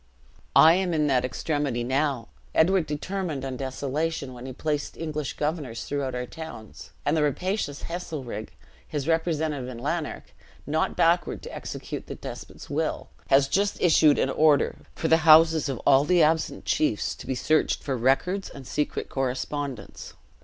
I am in that extremity now. Edward determined on desolation, when he placed English governors throughout our towns; and the rapacious Heselrigge, his representative in Lanark, not backward to execute the despot's will, has just issued an order, for the houses of all the absent chiefs to be searched for records and secret correspondence.